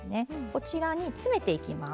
こちらに詰めていきます。